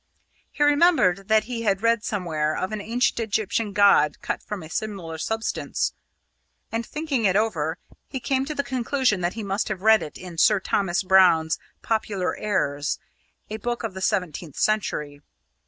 He remembered that he had read somewhere of an ancient Egyptian god cut from a similar substance, and, thinking it over, he came to the conclusion that he must have read it in Sir Thomas Brown's Popular Errors, a book of the seventeenth century.